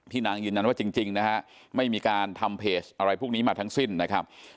นางยืนยันว่าจริงนะฮะไม่มีการทำเพจอะไรพวกนี้มาทั้งสิ้นนะครับ